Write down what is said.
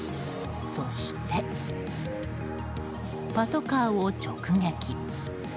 そしてパトカーを直撃。